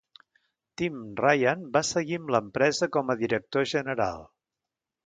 Tim Ryan va seguir amb l'empresa com a director general.